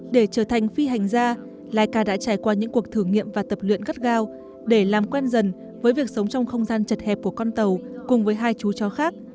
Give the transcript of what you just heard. để trở thành phi hành gia laika đã trải qua những cuộc thử nghiệm và tập luyện gắt gao để làm quen dần với việc sống trong không gian chật hẹp của con tàu cùng với hai chú chó khác